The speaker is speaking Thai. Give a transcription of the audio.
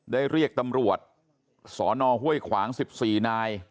เรียกตำรวจสนห้วยขวาง๑๔นาย